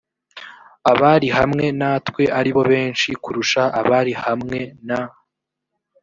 abari hamwe natwe ari bo benshi kurusha abari hamwe na